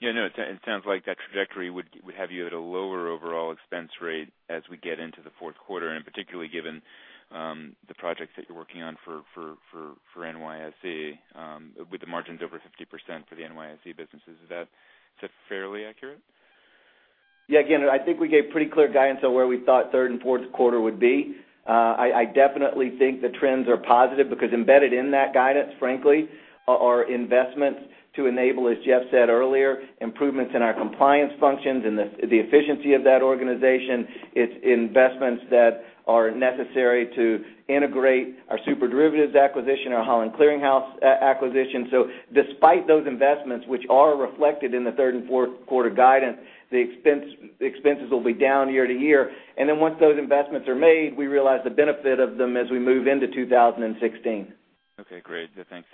It sounds like that trajectory would have you at a lower overall expense rate as we get into the fourth quarter, particularly given the projects that you're working on for NYSE, with the margins over 50% for the NYSE businesses. Is that fairly accurate? Again, I think we gave pretty clear guidance on where we thought third and fourth quarter would be. I definitely think the trends are positive because embedded in that guidance, frankly, are investments to enable, as Jeff said earlier, improvements in our compliance functions and the efficiency of that organization. It's investments that are necessary to integrate our SuperDerivatives acquisition, our Holland Clearing House acquisition. Despite those investments, which are reflected in the third and fourth quarter guidance, the expenses will be down year-to-year. Once those investments are made, we realize the benefit of them as we move into 2016. Okay, great. Thanks.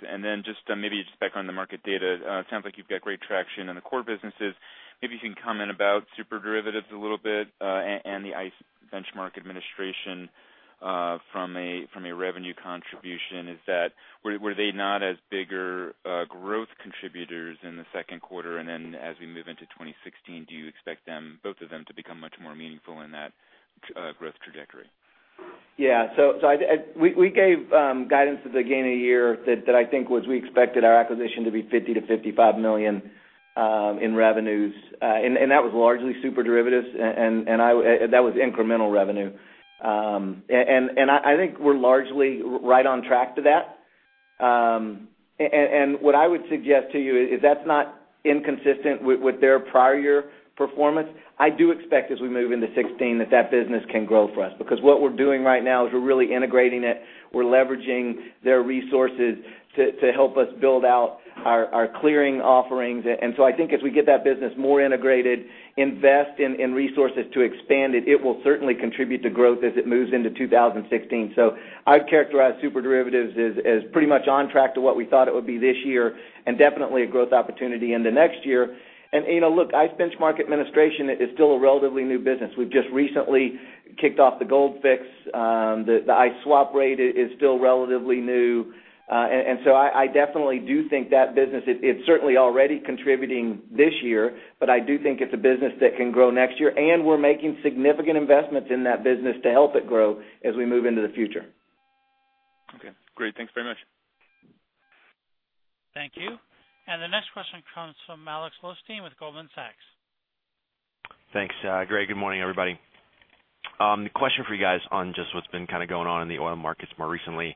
Just maybe just back on the market data. It sounds like you've got great traction in the core businesses. Maybe you can comment about SuperDerivatives a little bit, and the ICE Benchmark Administration from a revenue contribution. Were they not as bigger growth contributors in the second quarter? As we move into 2016, do you expect both of them to become much more meaningful in that growth trajectory? We gave guidance at the beginning of the year that I think was we expected our acquisition to be $50 million-$55 million in revenues. That was largely SuperDerivatives, that was incremental revenue. I think we're largely right on track to that. What I would suggest to you is that's not inconsistent with their prior year performance. I do expect as we move into 2016 that that business can grow for us, because what we're doing right now is we're really integrating it. We're leveraging their resources to help us build out our clearing offerings. I think as we get that business more integrated, invest in resources to expand it will certainly contribute to growth as it moves into 2016. I'd characterize SuperDerivatives as pretty much on track to what we thought it would be this year, and definitely a growth opportunity into next year. Look, ICE Benchmark Administration is still a relatively new business. We've just recently kicked off the Gold Fix. The ICE Swap Rate is still relatively new. I definitely do think that business is certainly already contributing this year, but I do think it's a business that can grow next year, and we're making significant investments in that business to help it grow as we move into the future. Okay, great. Thanks very much. Thank you. The next question comes from Alexander Blostein with Goldman Sachs. Thanks, Greg. Good morning, everybody. Question for you guys on just what's been kind of going on in the oil markets more recently.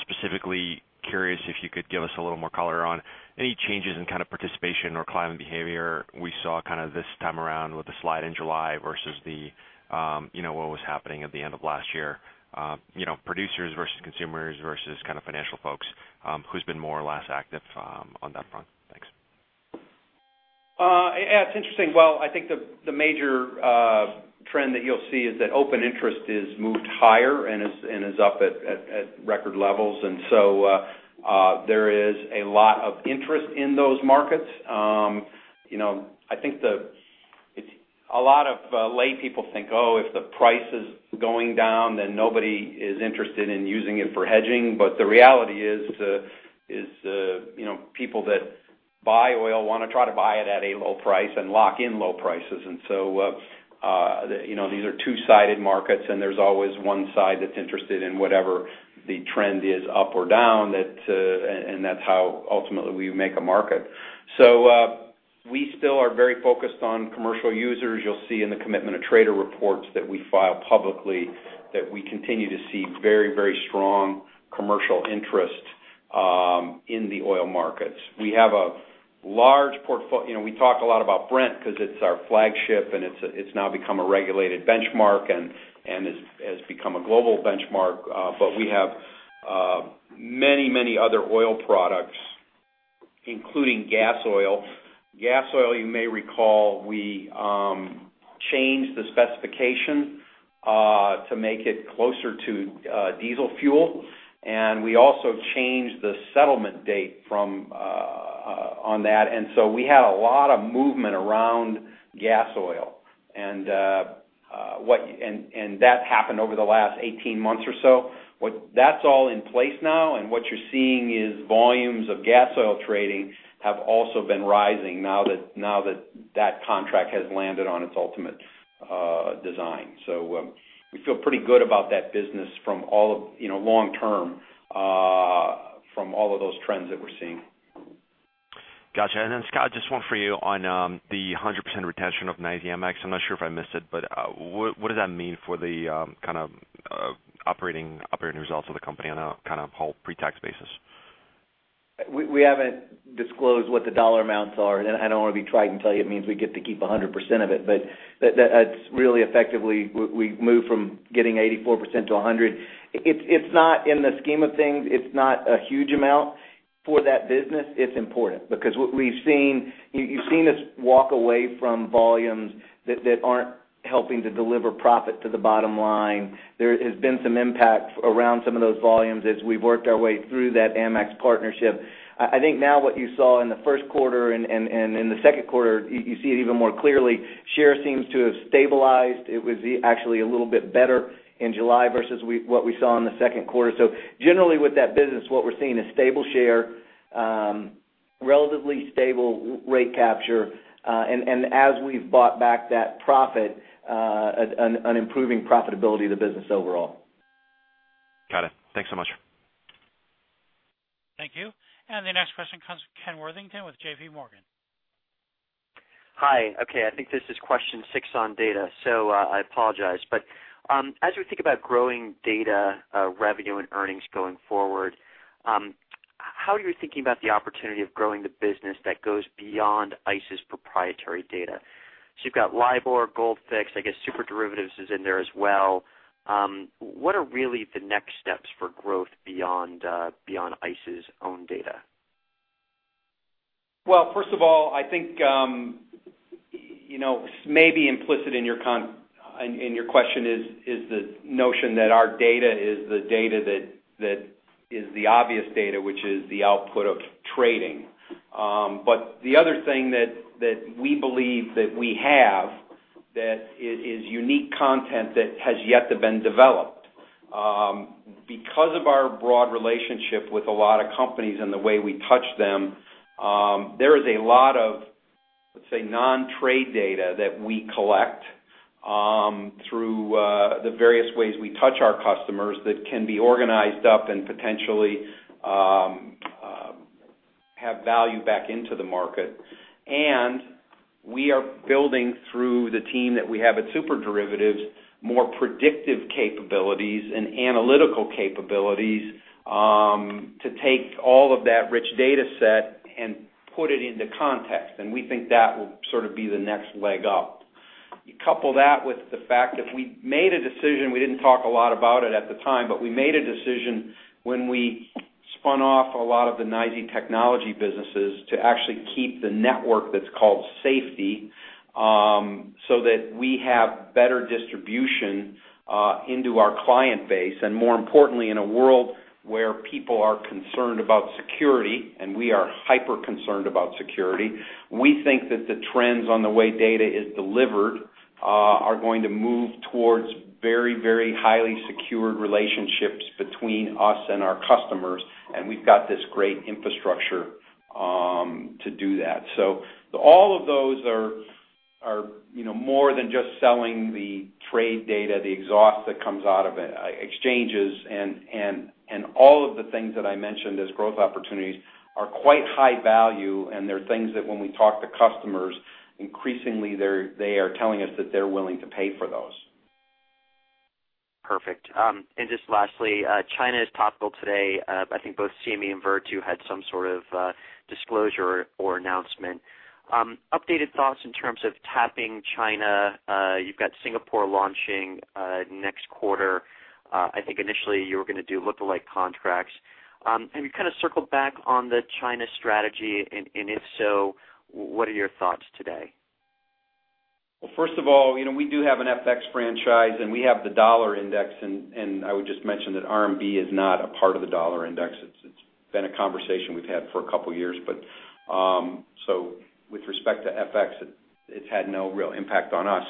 Specifically curious if you could give us a little more color on any changes in kind of participation or client behavior we saw kind of this time around with the slide in July versus what was happening at the end of last year. Producers versus consumers versus kind of financial folks, who's been more or less active on that front? Thanks. Yeah, it's interesting. Well, I think the major trend that you'll see is that open interest has moved higher and is up at record levels. There is a lot of interest in those markets. I think a lot of laypeople think, "Oh, if the price is going down, then nobody is interested in using it for hedging." The reality is people that buy oil want to try to buy it at a low price and lock in low prices. These are two-sided markets, and there's always one side that's interested in whatever the trend is up or down, and that's how ultimately we make a market. We still are very focused on commercial users. You'll see in the Commitment of Traders reports that we file publicly that we continue to see very strong commercial interest in the oil markets. We have a large portfolio. We talk a lot about Brent because it's our flagship, and it's now become a regulated benchmark and has become a global benchmark, but we have many other oil products, including Gasoil. Gasoil, you may recall, we changed the specification to make it closer to diesel fuel, and we also changed the settlement date on that. We had a lot of movement around Gasoil, and that happened over the last 18 months or so. That's all in place now, and what you're seeing is volumes of Gasoil trading have also been rising now that that contract has landed on its ultimate design. We feel pretty good about that business long term from all of those trends that we're seeing. Got you. Scott, just one for you on the 100% retention of NYSE Amex. I'm not sure if I missed it, what does that mean for the kind of operating results of the company on a kind of whole pre-tax basis? We haven't disclosed what the dollar amounts are, I don't want to be trite and tell you it means we get to keep 100% of it, that's really effectively, we've moved from getting 84% to 100%. In the scheme of things, it's not a huge amount for that business. It's important because what we've seen, you've seen us walk away from volumes that aren't helping to deliver profit to the bottom line. There has been some impact around some of those volumes as we've worked our way through that Amex partnership. I think now what you saw in the first quarter and in the second quarter, you see it even more clearly, share seems to have stabilized. It was actually a little bit better in July versus what we saw in the second quarter. Generally with that business, what we're seeing is stable share, relatively stable rate capture, and as we've bought back that profit, an improving profitability of the business overall. Got it. Thanks so much. Thank you. The next question comes from Kenneth Worthington with JPMorgan. Hi. Okay. I think this is question six on data, so I apologize. As we think about growing data revenue and earnings going forward, how are you thinking about the opportunity of growing the business that goes beyond ICE's proprietary data? You've got LIBOR, Gold Fix, I guess SuperDerivatives is in there as well. What are really the next steps for growth beyond ICE's own data? First of all, I think maybe implicit in your question is the notion that our data is the data that is the obvious data, which is the output of trading. The other thing that we believe that we have that is unique content that has yet to be developed. Because of our broad relationship with a lot of companies and the way we touch them, there is a lot of, let's say, non-trade data that we collect through the various ways we touch our customers that can be organized up and potentially have value back into the market. We are building through the team that we have at SuperDerivatives, more predictive capabilities and analytical capabilities to take all of that rich data set and put it into context, and we think that will sort of be the next leg up. You couple that with the fact that we made a decision, we didn't talk a lot about it at the time, but we made a decision when we spun off a lot of the NYSE technology businesses to actually keep the network that's called SFTI, so that we have better distribution into our client base. More importantly, in a world where people are concerned about security, and we are hyper concerned about security, we think that the trends on the way data is delivered are going to move towards very highly secured relationships between us and our customers, and we've got this great infrastructure to do that. All of those are more than just selling the trade data, the exhaust that comes out of it, exchanges and all of the things that I mentioned as growth opportunities are quite high value, and they're things that when we talk to customers, increasingly they are telling us that they're willing to pay for those. Perfect. Just lastly, China is topical today. I think both CME and Virtu had some sort of disclosure or announcement. Updated thoughts in terms of tapping China. You've got Singapore launching next quarter. I think initially you were going to do lookalike contracts. Have you circled back on the China strategy? If so, what are your thoughts today? First of all, we do have an FX franchise. We have the U.S. Dollar Index, and I would just mention that RMB is not a part of the U.S. Dollar Index. It's been a conversation we've had for a couple of years. With respect to FX, it's had no real impact on us.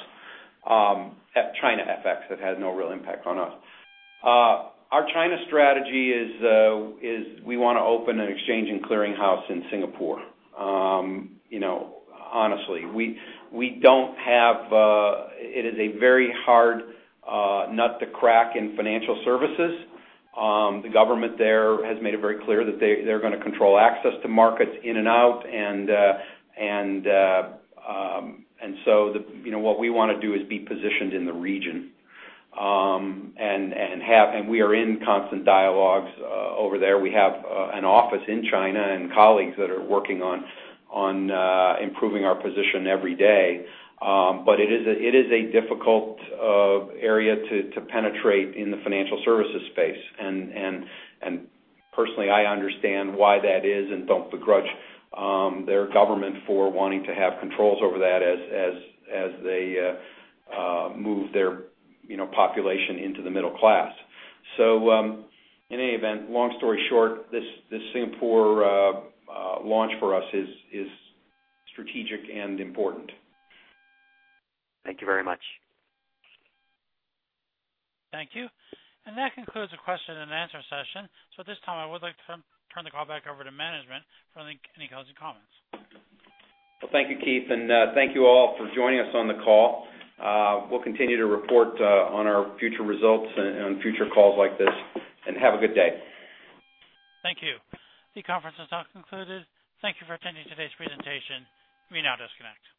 At China FX, it had no real impact on us. Our China strategy is we want to open an exchange and clearing house in Singapore. Honestly, it is a very hard nut to crack in financial services. The government there has made it very clear that they're going to control access to markets in and out. What we want to do is be positioned in the region. We are in constant dialogues over there. We have an office in China and colleagues that are working on improving our position every day. It is a difficult area to penetrate in the financial services space. Personally, I understand why that is and don't begrudge their government for wanting to have controls over that as they move their population into the middle class. In any event, long story short, this Singapore launch for us is strategic and important. Thank you very much. Thank you. That concludes the question and answer session. At this time, I would like to turn the call back over to management for any closing comments. Well, thank you, Keith, and thank you all for joining us on the call. We'll continue to report on our future results and future calls like this, and have a good day. Thank you. The conference has now concluded. Thank you for attending today's presentation. You may now disconnect.